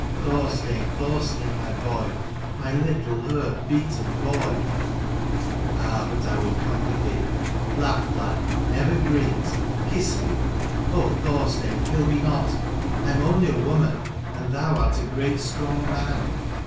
Thorstein, Thorstein : my boy, my little hurt beaten boy ! Ah, but I will comfort thee. Laugh lad, never greet : kiss me. Oh Thorstein, kill me not : I am only a woman, and thou art a great strong man.